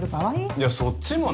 いやそっちもね。